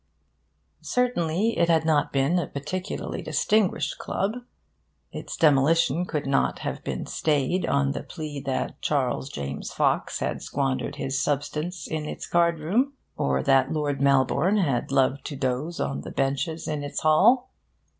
Certainly it had not been a particularly distinguished club. Its demolition could not have been stayed on the plea that Charles James Fox had squandered his substance in its card room, or that Lord Melbourne had loved to doze on the bench in its hall.